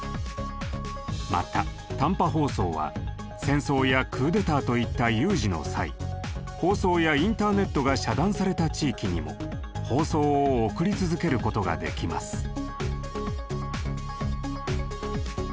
また短波放送は戦争やクーデターといった有事の際放送やインターネットが遮断された地域にも放送を送り続けることができます。